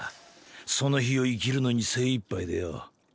その日を生きるのに精いっぱいでよ。